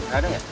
gak ada gak